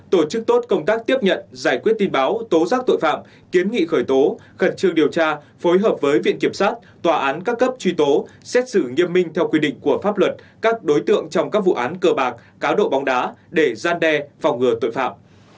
tổ chức tốt công tác tiếp nhận giải quyết tin báo tố giác tội phạm kiến nghị khởi tố khẩn trương điều tra phối hợp với viện kiểm sát tòa án các cấp truy tố xét xử nghiêm minh theo quy định của pháp luật các đối tượng trong các vụ án cờ bạc cá độ bóng đá để gian đe phòng ngừa tội phạm